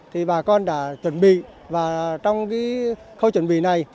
thì bà con đã chuẩn bị và trong khâu chuẩn bị này